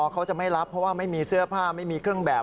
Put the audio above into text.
เขาจะไม่รับเพราะว่าไม่มีเสื้อผ้าไม่มีเครื่องแบบ